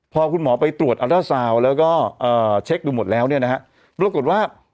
พอคุณหมอไปตรวจอัลด้าซาวน์แล้วก็เช็คดูหมดแล้วเนี่ยนะฮะปรากฏว่า